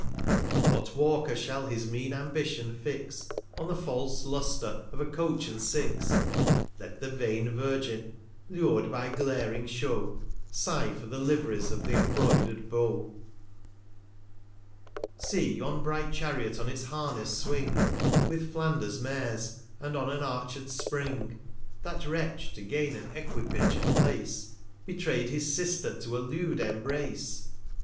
What Walker shall his mean Ambition fix, On the false Lustre of a Coach and Six ? Let the vain Virgin, lur'd by glaring Show, Sigh for the Liv'rys of th' embroider'd Beau. 450 See, yon' bright Chariot on its Harness swing, With Flanders Mares, and on an arched Spring, That Wretch, to gain an Equipage and Place, Betray 'd his Sister to a lewd Embrace.